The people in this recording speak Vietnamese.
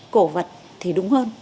cổ vật thì đúng hơn